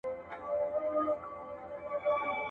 راته زړه ويل چي وځغله پټېږه.